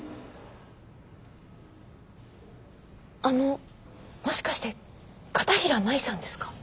あのもしかして片平真依さんですか？